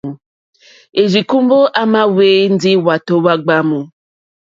Òrzíkùmbɔ̀ à mà hwɛ́ ndí hwàtò hwá gbǎmù.